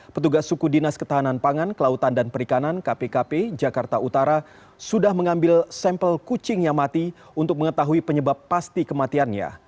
petugas suku dinas ketahanan pangan kelautan dan perikanan kpkp jakarta utara sudah mengambil sampel kucing yang mati untuk mengetahui penyebab pasti kematiannya